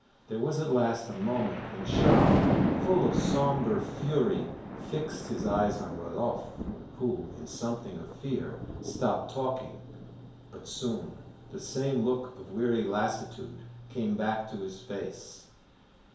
There was at last a moment when Charles, full of a sombre fury, fixed his eyes on Rodolphe, who, in something of fear, stopped talking. But soon the same look of weary lassitude came back to his face.